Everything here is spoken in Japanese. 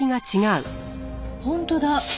本当だ。